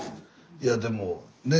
いやでもね